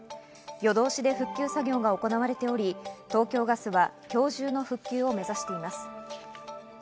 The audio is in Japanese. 夜通しで復旧作業が行われており、東京ガスは今日中の復旧を目指しています。